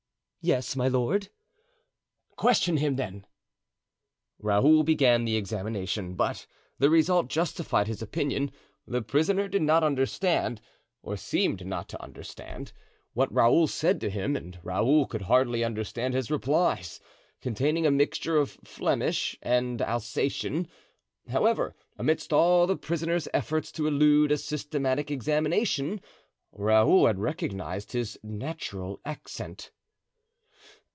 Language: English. "Yes, my lord." "Question him, then." Raoul began the examination, but the result justified his opinion. The prisoner did not understand, or seemed not to understand, what Raoul said to him; and Raoul could hardly understand his replies, containing a mixture of Flemish and Alsatian. However, amidst all the prisoner's efforts to elude a systematic examination, Raoul had recognized his natural accent.